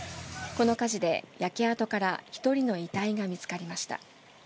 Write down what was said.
この火事で焼け跡から１人の遺体が見つかりました。